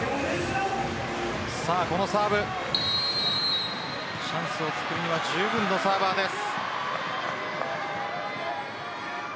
このサーブチャンスをつくるにはじゅうぶんのサーバーです。